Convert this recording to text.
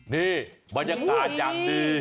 นี่บรรยากาศอย่างดี